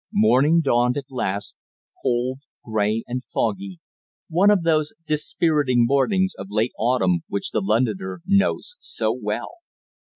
Morning dawned at last, cold, grey and foggy, one of those dispiriting mornings of late autumn which the Londoner knows so well.